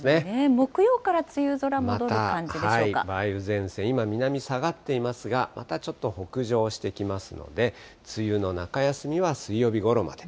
木曜から梅雨空、また梅雨前線、今、南に下がっていますが、またちょっと北上してきますので、梅雨の中休みは水曜日ごろまで。